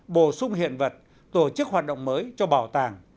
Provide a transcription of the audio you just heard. bổ sung hiện vật tổ chức hoạt động mới cho bảo tàng